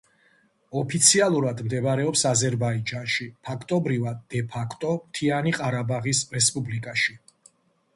ოფიციალურად მდებარეობს აზერბაიჯანში, ფაქტობრივად დე-ფაქტო მთიანი ყარაბაღის რესპუბლიკაში.